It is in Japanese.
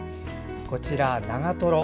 こちら、長瀞。